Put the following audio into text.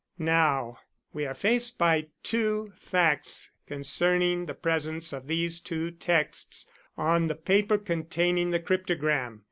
"Now, we are faced by two facts concerning the presence of these two texts on the paper containing the cryptogram.